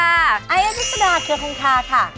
ไอล์อธิศนาเคียงคงทาค่ะ